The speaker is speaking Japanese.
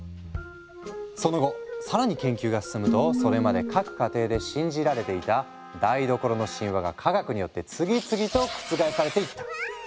その後更に研究が進むとそれまで各家庭で信じられていた台所の神話が科学によって次々と覆されていった。